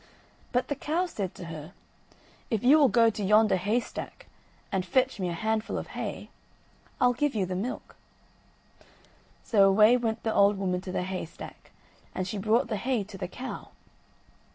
But the cow said to her: "If you will go to yonder hay stack, and fetch me a handful of hay, I'll give you the milk." So away went the old woman to the haystack and she brought the hay to the cow.